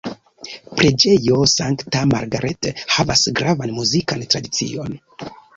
Preĝejo Sankta Margaret havas gravan muzikan tradicion.